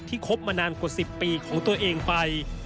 คบมานานกว่า๑๐ปีของตัวเองไป